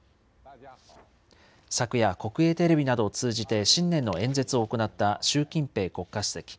昨夜、国営テレビなどを通じて新年の演説を行った習近平国家主席。